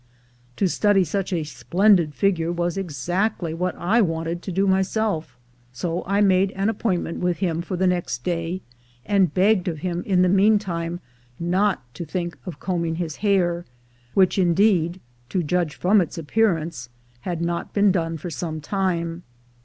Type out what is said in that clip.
To study such a splendid figure was exactly what I wanted to do myself, so I made an appointment with him for the next day, and begged of him in the mean time not to think of combing his hair, which, indeed, to judge from its appearance, he had not done for Bome time.